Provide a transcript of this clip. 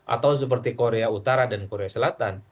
atau seperti korea utara dan korea selatan